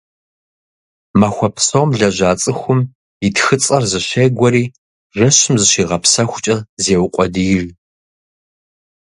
Махуэ псом лэжьа цӏыхум и тхыцӏэр зэщегуэри, жэщым, зыщигъэпсэхукӏэ, зеукъуэдииж.